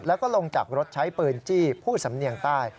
แล้วก็ลงจากรถใช้ปืนจี้ผู้สำเนียงใต้